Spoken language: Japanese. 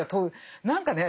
何かね